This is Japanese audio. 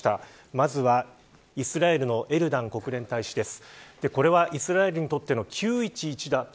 まずはイスラエルのエルダン国連大使です。